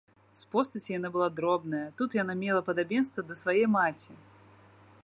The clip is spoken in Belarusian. З постаці яна была дробная, тут яна мела падабенства да свае маці.